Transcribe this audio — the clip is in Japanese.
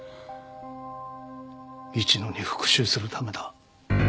市野に復讐するためだ。